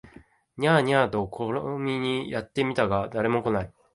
ニャー、ニャーと試みにやって見たが誰も来ない